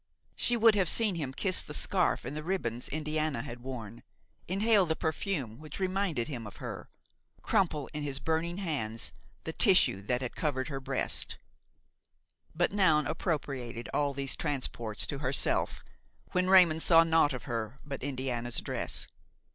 She would have seen him kiss the scarf and the ribbons Indiana had worn, inhale the perfume which reminded him of her, crumple in his burning hands the tissue that had covered her breast; but Noun appropriated all these transports to herself, when Raymon saw naught of her but Indiana's dress.